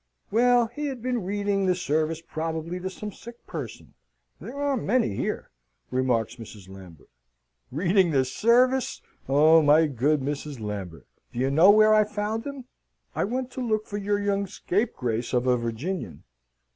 "Well, he had been reading the service probably to some sick person; there are many here," remarks Mrs. Lambert. "Reading the service! Oh, my good Mrs. Lambert! Do you know where I found him? I went to look for your young scapegrace of a Virginian."